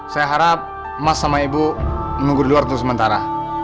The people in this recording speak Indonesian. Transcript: saya harap mas sama ibu menunggu di luar untuk sementara